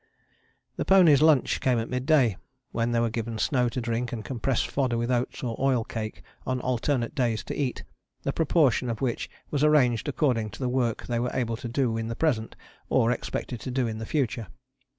] The ponies' lunch came at mid day, when they were given snow to drink and compressed fodder with oats or oil cake on alternate days to eat, the proportion of which was arranged according to the work they were able to do in the present, or expected to do in the future.